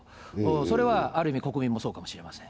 それはある意味、国民もそうかもしれません。